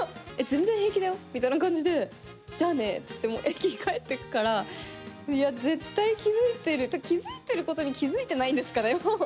「全然平気だよ」みたいな感じで「じゃあね」って言って駅に帰っていくからいや、絶対気付いてる気付いてることに気付いてないんですかね？